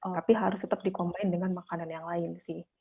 tapi harus tetap dikombain dengan makanan yang lain sih